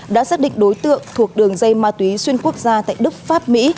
đã xác định đối tượng thuộc đường dây ma túy xuyên quốc gia tại đức pháp mỹ